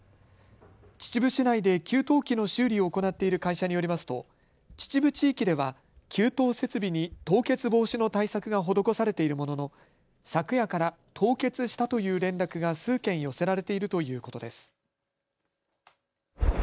秩父市内で給湯器の修理を行っている会社によりますと秩父地域では給湯設備に凍結防止の対策が施されているものの昨夜から凍結したという連絡が数件寄せられているということです。